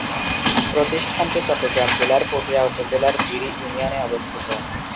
প্রতিষ্ঠানটি চট্টগ্রাম জেলার পটিয়া উপজেলার জিরি ইউনিয়নে অবস্থিত।